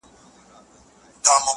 په غوټه سوه ور نیژدي د طوطي لورته؛